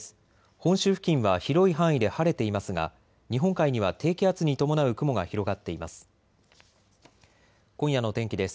本州付近は広い範囲で晴れていますが日本海には低気圧に伴う雲が広がっています。